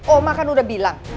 oma kan udah bilang